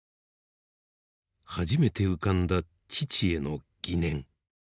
初めて浮かんだ父への疑念。